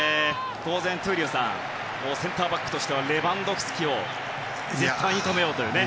当然、闘莉王さんセンターバックとしてはレバンドフスキを絶対に止めようというね。